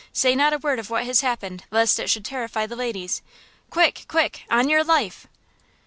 Say not a word of what has happened lest it should terrify the ladies! Quick! quick! on your life!"